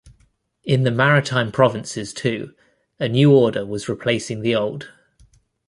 In the maritime provinces too a new order was replacing the old.